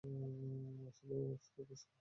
আসলে, উষ্কখুষ্ক।